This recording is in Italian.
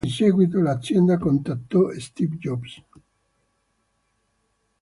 In seguito, l'azienda contattò Steve Jobs.